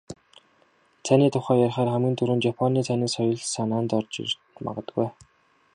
Цайны тухай ярихаар хамгийн түрүүнд "Японы цайны ёслол" санаанд орж магадгүй.